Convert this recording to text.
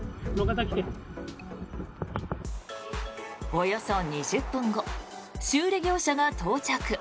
およそ２０分後修理業者が到着。